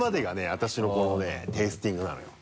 私のこのねテイスティングなのよ。